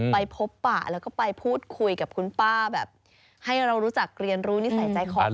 ไปพบปะแล้วก็ไปพูดคุยกับคุณป้าแบบให้เรารู้จักเรียนรู้นิสัยใจของคุณ